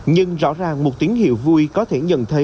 nhưng rõ ràng một tiếng hiệu vui có thể nhận thấy